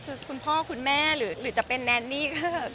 คือคุณพ่อคุณแม่หรือจะเป็นแนนนี่ก็